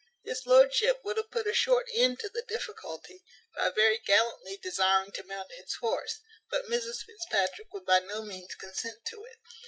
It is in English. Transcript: His lordship would have put a short end to the difficulty, by very gallantly desiring to mount his horse; but Mrs Fitzpatrick would by no means consent to it.